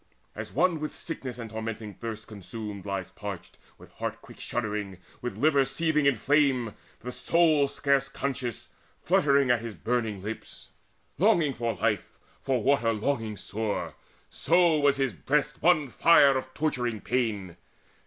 As one with sickness and tormenting thirst Consumed, lies parched, with heart quick shuddering, With liver seething as in flame, the soul, Scarce conscious, fluttering at his burning lips, Longing for life, for water longing sore; So was his breast one fire of torturing pain.